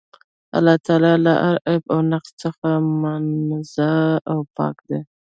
الله تعالی له هر عيب او نُقص څخه منزَّه او پاك دی